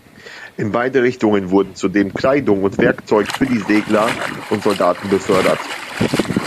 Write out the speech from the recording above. In beide Richtungen wurden zudem Kleidung und Werkzeug für die Segler und Soldaten befördert.